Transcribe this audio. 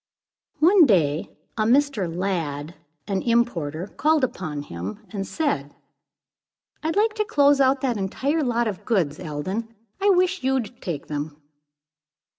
One day, a Mr. Lladd, an importer, called upon him, and said "I'd like to close out that entire lot of goods, Eldon. I wish you'd take them."